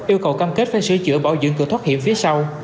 yêu cầu cam kết phải sửa chữa bảo dưỡng cửa thoát hiểm phía sau